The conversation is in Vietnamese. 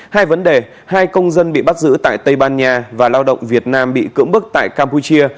hai vấn đề hai công dân bị bắt giữ tại tây ban nha và lao động việt nam bị cưỡng bức tại campuchia